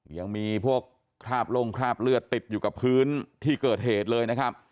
ยังมีพวกคราบลงคราบเลือดติดอยู่กับพื้นที่เกิดเหตุเลยนะครับ